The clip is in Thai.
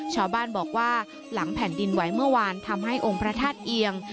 ชาวบ้านบอกว่าหลังแผ่นดินไหวเมื่อวานทำให้องค์พระธาตุเอียง